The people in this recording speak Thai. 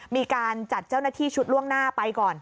มีการจัดเจ้าหน้าที่ชุดล่วงหน้าไปก่อน